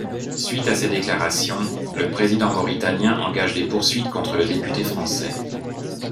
Suite à ces déclarations, le président mauritanien engage des poursuites contre le député français.